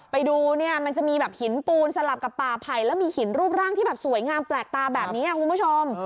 ไปดูเนี่ยมันจะมีแบบหินปูนสลับกับป่าไผ่แล้วมีหินรูปร่างที่แบบสวยงามแปลกตาแบบนี้คุณผู้ชม